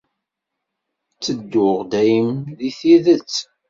Ttedduɣ dayem di tidet.